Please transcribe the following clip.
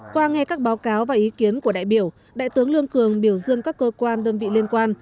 qua nghe các báo cáo và ý kiến của đại biểu đại tướng lương cường biểu dương các cơ quan đơn vị liên quan